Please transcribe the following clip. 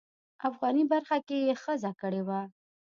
افغاني برخه کې یې ښځه کړې وه.